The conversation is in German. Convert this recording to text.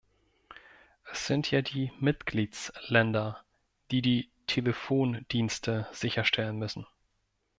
Es sind ja die Mitgliedsländer, die die Telefondienste sicherstellen müssen.